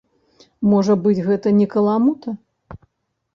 Можа быць, гэта не каламута?